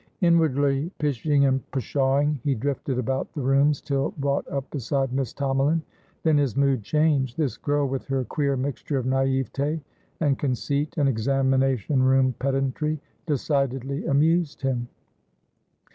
Inwardly pishing and pshawing, he drifted about the rooms till brought up beside Miss Tomalin. Then his mood changed. This girl, with her queer mixture of naivete and conceit and examination room pedantry, decidedly amused him.